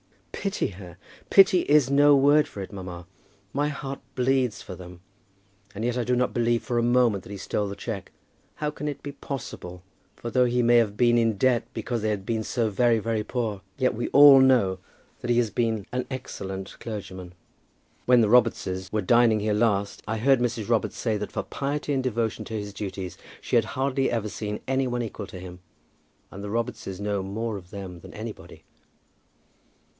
"Pity her! Pity is no word for it, mamma. My heart bleeds for them. And yet I do not believe for a moment that he stole the cheque. How can it be possible? For though he may have been in debt because they have been so very, very poor; yet we all know that he has been an excellent clergyman. When the Robartses were dining here last, I heard Mrs. Robarts say that for piety and devotion to his duties she had hardly ever seen any one equal to him. And the Robartses know more of them than anybody."